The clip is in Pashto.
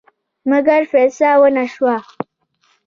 مګر فیصه ونه شوه.